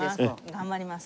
頑張ります。